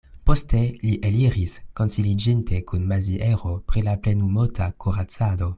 Poste li eliris, konsiliĝinte kun Maziero pri la plenumota kuracado.